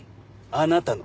あなたの？